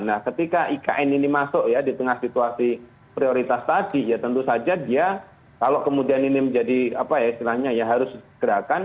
nah ketika ikn ini masuk ya di tengah situasi prioritas tadi ya tentu saja dia kalau kemudian ini menjadi apa ya istilahnya ya harus digerakkan